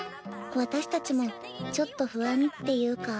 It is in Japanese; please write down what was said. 私たちもちょっと不安っていうか。